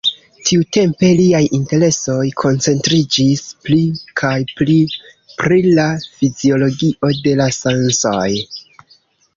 Tiutempe liaj interesoj koncentriĝis pli kaj pli pri la fiziologio de la sensoj.